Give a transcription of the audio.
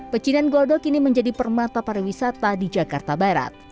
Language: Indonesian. pecinan godok ini menjadi permata para wisata di jakarta barat